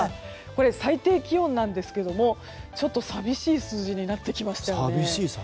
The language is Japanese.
最低気温なんですけどもちょっと寂しい数字になってきましたね。